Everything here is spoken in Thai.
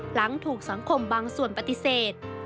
หลังถูกสังคมบางส่วนปฏิเสธ